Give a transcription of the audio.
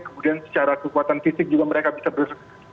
kemudian secara kekuatan fisik juga mereka bisa ber